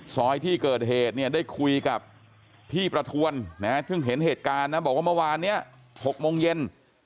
ซอยที่เกิดเหตุเนี่ยได้คุยกับพี่ประทวนซึ่งเห็นเหตุการณ์นะบอกว่าเมื่อวานนี้๖โมงเย็น